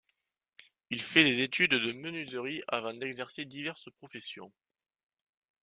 Il fait des études de menuiserie avant d'exercer diverses professions.